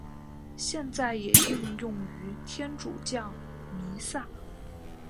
现在也应用于天主教弥撒。